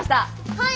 はい。